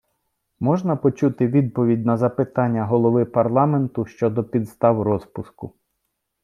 Можна почути відповідь на запитання Голови парламенту щодо підстав розпуску?